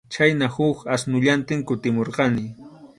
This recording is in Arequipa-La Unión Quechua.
Chhayna huk asnullantin kutimurqani.